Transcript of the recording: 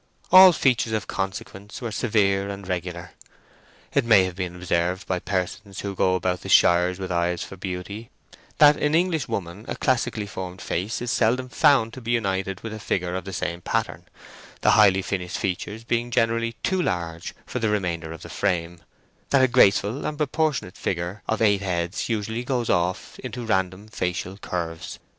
All features of consequence were severe and regular. It may have been observed by persons who go about the shires with eyes for beauty, that in Englishwoman a classically formed face is seldom found to be united with a figure of the same pattern, the highly finished features being generally too large for the remainder of the frame; that a graceful and proportionate figure of eight heads usually goes off into random facial curves.